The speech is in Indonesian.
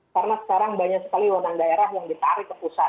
karena sekarang banyak sekali undang undang daerah yang ditarik ke pusat